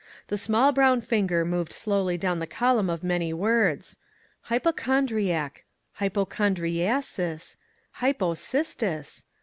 The small brown finger moved slowly down the column of many words. " Hypochondriac, hypochondriasis, hypo cistis